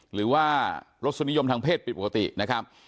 หรือว่ารสนิยมทางเพศผิดปกตินะครับ